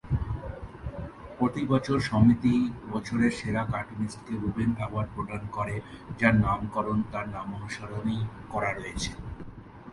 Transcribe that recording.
প্রতিবছর সমিতি বছরের সেরা কার্টুনিস্ট কে রুবেন অ্যাওয়ার্ড প্রদান করে যার নামকরণ তার নামানুসারেই করা রয়েছে।